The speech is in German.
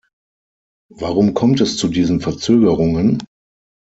Warum kommt es zu diesen Verzögerungen?